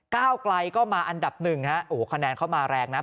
ก้าวไกลก็มาอันดับ๑คะแนนเข้ามาแรงนะฮะ